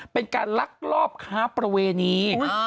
เป็นการลักลอบค้าประเวณี